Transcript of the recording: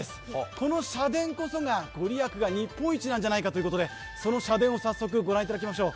この社殿こそが御利益が日本一なんじゃないかということで、御覧いただきましょう。